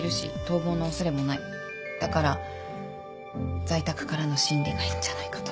だから在宅からの審理がいいんじゃないかと。